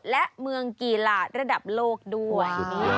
และเมืองกีฬาระดับโลกด้วย